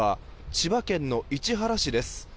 千葉県の市原市です。